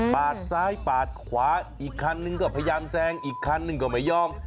ซ้ายปาดขวาอีกคันนึงก็พยายามแซงอีกคันหนึ่งก็ไม่ยอม